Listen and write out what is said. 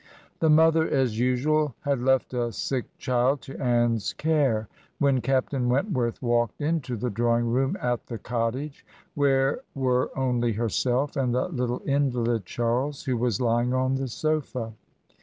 The mother, as usual, had left a sick child to Anne's care, when " Captain Wentworth walked into the draw ing room at the Cottage, where were only herself and the little invalid Charles, who was lying on the sofa.